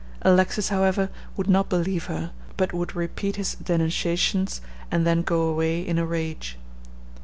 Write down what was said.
Alexis, however, would not believe her, but would repeat his denunciations, and then go away in a rage.